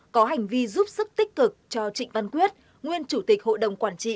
có hành vi giúp sức tích cực cho trịnh văn quyết nguyên chủ tịch hội đồng quản trị